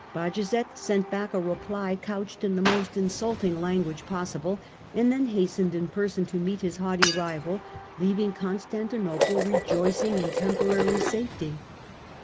Bajazet sent back a reply couched in the most insulting language possible, and then hastened in person to meet his haughty rival, leaving Constantinople rejoicing in Battle of temporary safety.